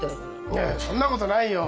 いやそんなことないよ。